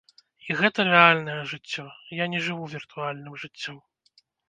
І гэта рэальнае жыццё, я не жыву віртуальным жыццём.